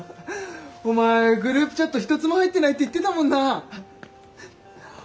お前グループチャット一つも入ってないって言ってたもんな。